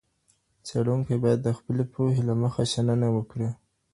څېړونکی باید د خپلي پوهي له مخې شننه وکړي.